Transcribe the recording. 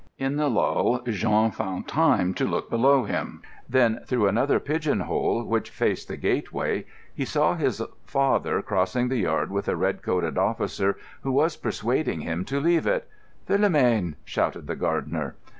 In the lull Jean found tune to look below him, then through another pigeon hole which faced the gateway he saw his father crossing the yard with a red coated officer who was persuading him to leave it. "Philomène!" shouted the gardener.